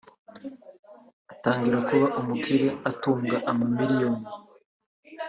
atangira kuba umukire atunga amamiliyoni